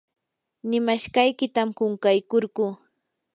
nimashqaykitam qunqaykurquu.